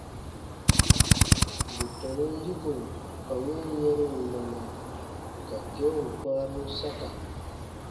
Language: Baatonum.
Bù tɔnun yiko ka win yɛ̃ru wunana, ka keun kpãarun saka.